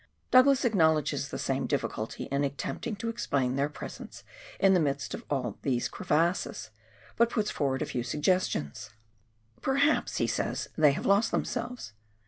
Douglas acknowledges the same difficulty in attempting to explain their presence in the midst of all these crevasses, but puts forward a few suggestions :—" Perhaps," he says, " they have lost themselves.